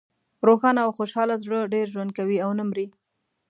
روښانه او خوشحاله زړه ډېر ژوند کوي او نه مری.